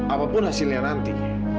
apapun hasilnya nanti